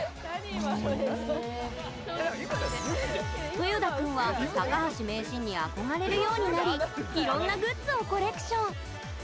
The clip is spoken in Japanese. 豊田君は高橋名人に憧れるようになりいろんなグッズをコレクション。